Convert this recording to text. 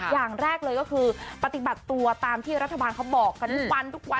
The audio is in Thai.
อย่างแรกเลยก็คือปฏิบัติตัวตามที่รัฐบาลเขาบอกกันทุกวันทุกวัน